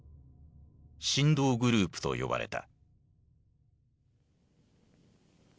「神童グループ」と呼ばれた。